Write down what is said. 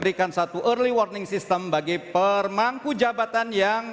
berikan satu early warning system bagi permangku jabatan yang